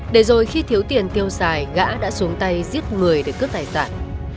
để rồi khi thiếu tiền tiêu xài gã đã xuống tay giết người để cướp tài sản